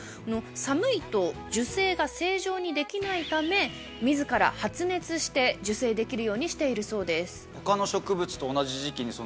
寒いと受精が正常にできないため自ら発熱して受精できるようにしているそうです。